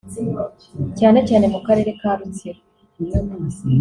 cyane cyane mu Karere ka Rutsiro